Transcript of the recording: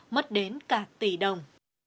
mất đến cả tỷ đồng